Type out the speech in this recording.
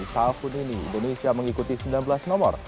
tahun ini indonesia mengikuti sembilan belas nomor